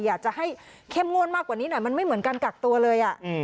อยากจะให้เข้มงวดมากกว่านี้หน่อยมันไม่เหมือนการกักตัวเลย